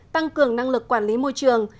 tăng cường năng lực quản lý môi trường